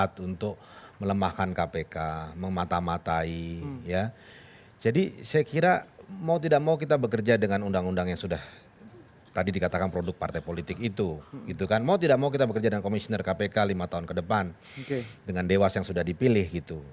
terima kasih terima kasih